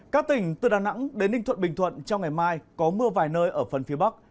các tỉnh từ đà nẵng đến ninh thuận bình thuận trong ngày mai có mưa vài nơi ở phần phía bắc